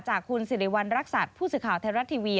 จากคุณสิริวัณรักษัตริย์ผู้สื่อข่าวไทยรัฐทีวี